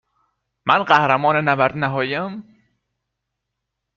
من قهرمان نبرد نهائیم؟